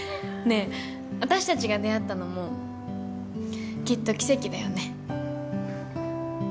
え私達が出会ったのもきっと奇跡だよね